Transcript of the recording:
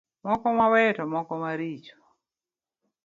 Moko mabeyo to moko maricho.